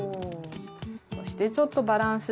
そしてちょっとバランスしますよ。